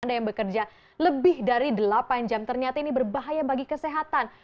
anda yang bekerja lebih dari delapan jam ternyata ini berbahaya bagi kesehatan